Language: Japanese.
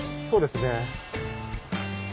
そうですね。